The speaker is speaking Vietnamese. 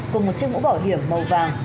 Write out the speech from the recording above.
cùng một chiếc mũ bảo hiểm màu vàng